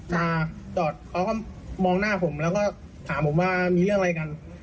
จอดเขาก็มองหน้าผมแล้วก็ถามผมว่ามีเรื่องอะไรกัน